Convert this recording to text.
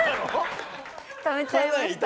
溜めちゃいました。